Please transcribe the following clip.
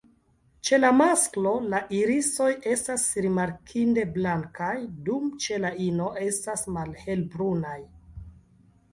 Ĉe la masklo, la irisoj estas rimarkinde blankaj, dum ĉe la ino estas malhelbrunaj.